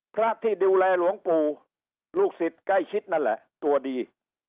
พระที่ดูแลหลวงปู่ลูกศิษย์ใกล้ชิดนั่นแหละตัวดี